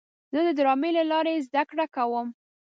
زه د ډرامې له لارې زده کړه کوم.